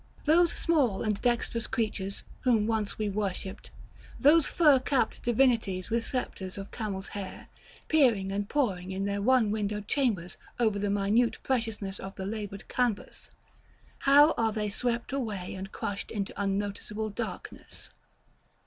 Those small and dexterous creatures whom once we worshipped, those fur capped divinities with sceptres of camel's hair, peering and poring in their one windowed chambers over the minute preciousness of the labored canvas; how are they swept away and crushed into unnoticeable darkness!